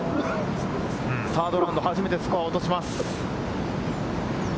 ここで３ｒｄラウンド、初めてスコアを落とします。